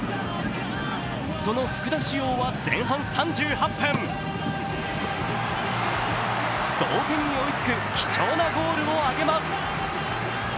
その福田師王は前半３８分同点に追いつく貴重なゴールを挙げます。